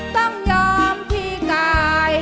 ต้องยอมพี่กาย